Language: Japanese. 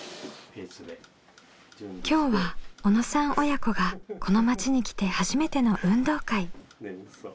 今日は小野さん親子がこの町に来て初めての運動会。